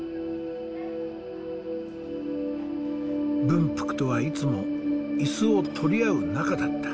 文福とはいつも椅子を取り合う仲だった。